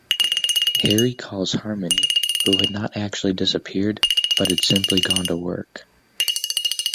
Harry calls Harmony, who had not actually disappeared but had simply gone to work.